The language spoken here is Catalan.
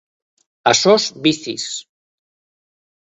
A sos vicis.